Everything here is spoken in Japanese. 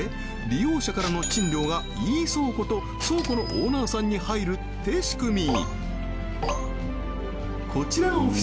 利用者からの賃料がイーソーコと倉庫のオーナーさんに入るって仕組み